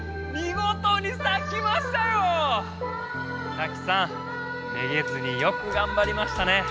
サキさんめげずによくがんばりましたね。